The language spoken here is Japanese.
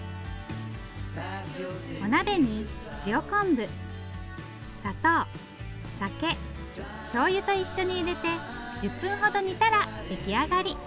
お鍋に塩昆布砂糖酒しょうゆと一緒に入れて１０分ほど煮たら出来上がり。